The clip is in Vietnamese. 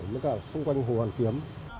với cả xung quanh hồ văn kiếm